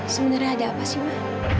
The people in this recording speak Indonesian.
sebenarnya ada apa sih mbak